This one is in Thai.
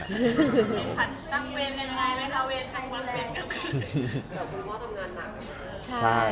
แต่ว่าคุณพ่อทำงานหนักแล้วใช่มั้ย